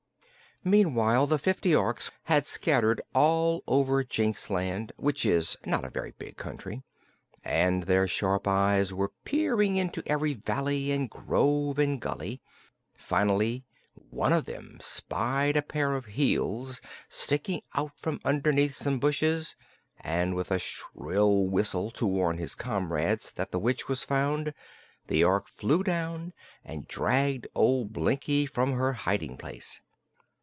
Meantime the fifty Orks had scattered all over Jinx land, which is not a very big country, and their sharp eyes were peering into every valley and grove and gully. Finally one of them spied a pair of heels sticking out from underneath some bushes, and with a shrill whistle to warn his comrades that the witch was found the Ork flew down and dragged old Blinkie from her hiding place.